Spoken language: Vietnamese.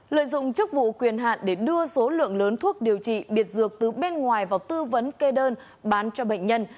lợi dụng chức vụ quyền hạn để đưa số lượng lớn thuốc điều trị biệt dược từ bên ngoài vào tư vấn kê đơn bán cho bệnh nhân